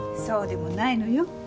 そうでもないのよ。